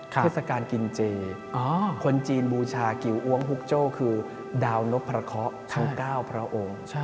เทศกาลกินเจคนจีนบูชากิวอ้วงฮุกโจ้คือดาวนพพระเคาะทั้ง๙พระองค์